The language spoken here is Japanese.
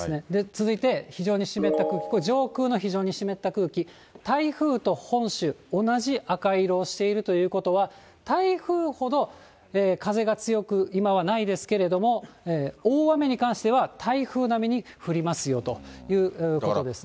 続いて、非常に湿った空気、これ、上空の非常に湿った空気、台風と本州、同じ赤色をしているということは、台風ほど風が強く今はないですけれども、大雨に関しては、台風並みに降りますよということですね。